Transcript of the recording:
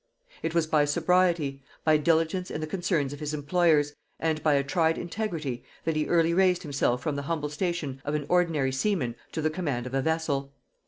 It was by sobriety, by diligence in the concerns of his employers, and by a tried integrity, that he early raised himself from the humble station of an ordinary seaman to the command of a vessel.